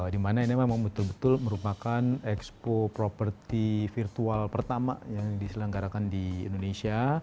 di mana ini memang betul betul merupakan expo properti virtual pertama yang diselenggarakan di indonesia